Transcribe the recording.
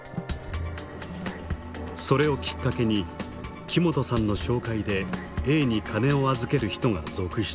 それをきっかけに木本さんの紹介でＡに金を預ける人が続出。